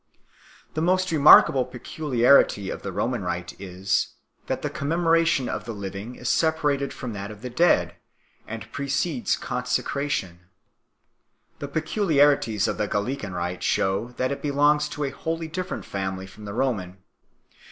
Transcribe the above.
The most remarkable pecu liarity of the Roman rite is, that the commemoration of the living is separated from that of the dead and precedes consecration. The peculiarities of the Gallican rite shew that it belongs to a wholly different family from the Roman.